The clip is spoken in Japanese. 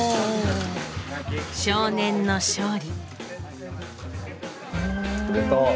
少年の勝利。